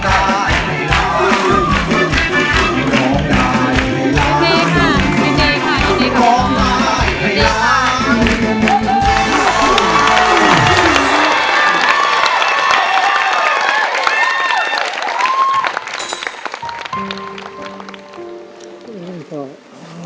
คุณต้องร้อง